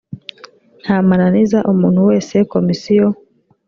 nta mananiza umuntu wese komisiyo